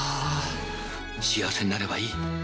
幸せになればいい。